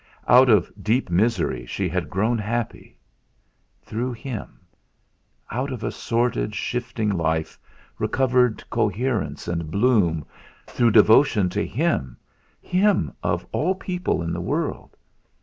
Out of deep misery she had grown happy through him; out of a sordid, shifting life recovered coherence and bloom, through devotion to him him, of all people in the world!